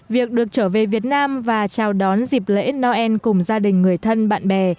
việc được trở về việt nam và chào đón dịp lễ noel cùng gia đình người thân bạn bè